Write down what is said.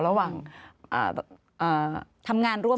ระหว่างทำงานร่วม